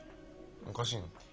おかしいのか？